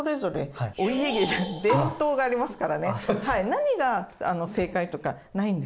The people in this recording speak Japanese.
何が正解とかないんですよ。